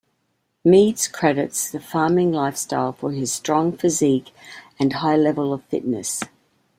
Meads credits the farming lifestyle for his strong physique and high level of fitness.